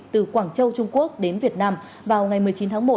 từ quảng châu trung quốc đến việt nam vào ngày một mươi chín tháng một